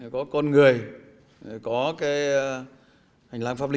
có con người có cái hành lang pháp lý